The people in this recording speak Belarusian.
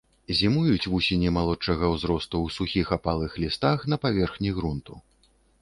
Зімуюць вусені малодшага ўзросту ў сухіх апалых лістах на паверхні грунту.